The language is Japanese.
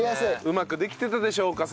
うまくできていたでしょうか？